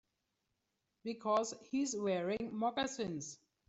Because he's wearing moccasins.